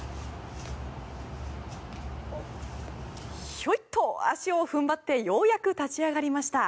ひょいっと足を踏ん張ってようやく立ち上がりました。